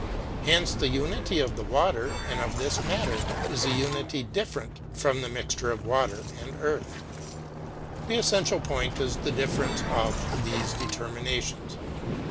Here the unity of the water and of this matter is a unity different from the mixture of [pg 149]water and earth. The essential point is the differenceof these determinations.